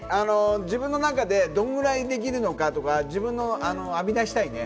自分の中でどのくらいできるのかとか自分のを編み出したいね。